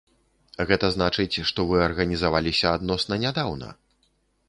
Гэта значыць, што вы арганізаваліся адносна нядаўна?